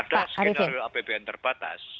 pada skenario apbn terbatas